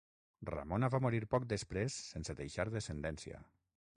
Ramona va morir poc després sense deixar descendència.